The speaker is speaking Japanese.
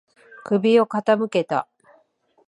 首を傾けた。